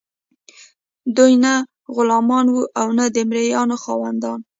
دوی نه غلامان وو او نه د مرئیانو خاوندان.